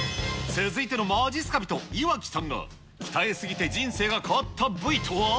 続いてのまじっすか人、岩城さんが、鍛え過ぎて人生が変わった部位とは。